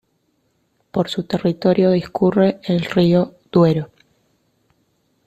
Por su territorio discurre el río Duero.